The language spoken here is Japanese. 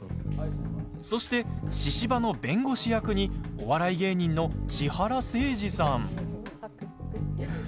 そして、ししばの弁護士役にお笑い芸人の千原せいじさん。